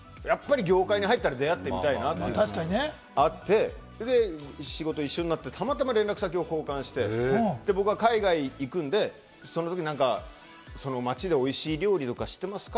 業界に入ったら出会ってみたいなというのがあって、仕事が一緒になって、たまたま連絡先を交換して、僕が海外に行くんだよ、その時、何か街で美味しい料理知ってますか？